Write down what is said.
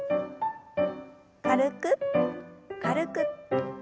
軽く軽く。